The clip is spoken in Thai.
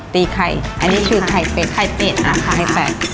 ตีไข่อันนี้คือไข่เป็ดไข่เป็ดนะคะไข่เป็ด